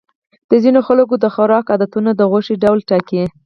د ځینو خلکو د خوراک عادتونه د غوښې ډول ټاکي.